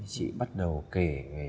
chị bắt đầu kể về